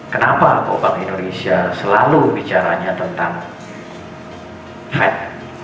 kenapa atau bank indonesia selalu bicaranya tentang fed